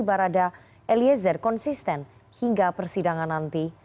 barada eliezer konsisten hingga persidangan nanti